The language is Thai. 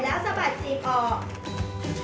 แล้วสะบัดจีบออก